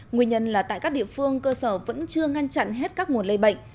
nguyên nhân là tại các địa phương cơ sở vẫn chưa ngăn chặn hết các nguồn lây bệnh